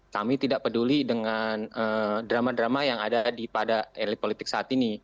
kami tidak peduli dengan drama drama yang ada pada elit politik saat ini